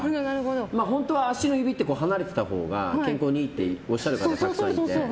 本当は足の指って離れてたほうが健康にいいっておっしゃる方がたくさんいて。